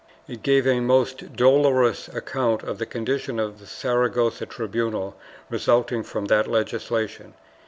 It gave a most dolorous account of the condition of the Saragossa tribunal resulting from that legislation.